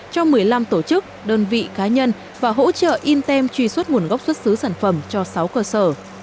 cho một mươi năm tổ chức đơn vị cá nhân và hỗ trợ intem truy xuất nguồn gốc xuất xứ sản phẩm cho sáu cơ sở